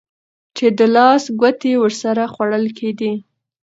چې د لاس ګوتې ورسره خوړل کېدې.